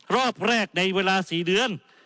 รอบแรกในเวลา๔เดือน